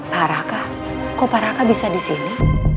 pak raka kok pak raka bisa disini